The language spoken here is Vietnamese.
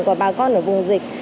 của bà con ở vùng dịch